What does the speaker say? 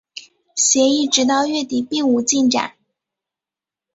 协议直到月底并无进展。